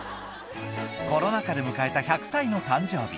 コロナ禍で迎えた１００歳の誕生日。